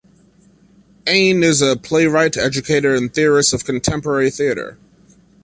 Ehn is a playwright, educator and theorist of contemporary theater.